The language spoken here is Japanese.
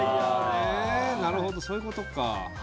なるほど、そういうことか。